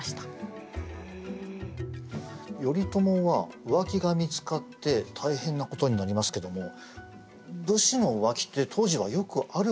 頼朝は浮気が見つかって大変なことになりますけども武士の浮気って当時はよくあることだったんでしょうか？